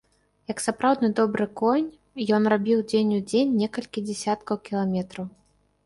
Як сапраўдны добры конь, ён рабіў дзень у дзень некалькі дзесяткаў кіламетраў.